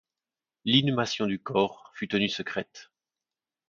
L’inhumation du corps fut tenue secrète.